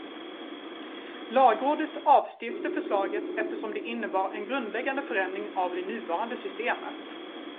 Lagrådet avstyrkte förslaget eftersom det innebar en grundläggande förändring av det nuvarande systemet.